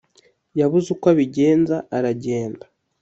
yabuze uko abigenza aragenda